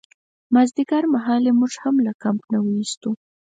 مازدیګرمهال یې موږ هم له کمپ نه ویستو.